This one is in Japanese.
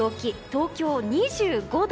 東京、２５度。